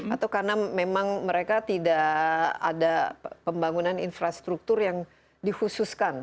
atau karena memang mereka tidak ada pembangunan infrastruktur yang dikhususkan